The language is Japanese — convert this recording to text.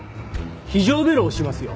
非常ベルを押しますよ。